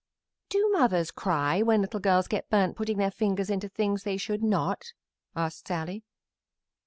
"Do mothers cry when little girls get burnt putting their fingers into things they should not?" asked Sallie.